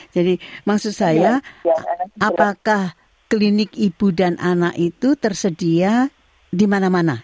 jadi maksud saya apakah klinik ibu dan anak itu tersedia di mana mana